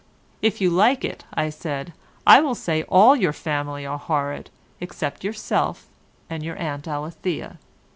"If you like it," said I, "I will say all your family are horrid except yourself and your aunt Alethea.